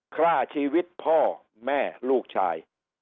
ฆ่าชีวิตพ่อแม่ลูกชาย